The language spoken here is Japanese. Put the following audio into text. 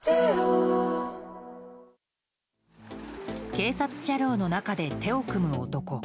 警察車両の中で手を組む男。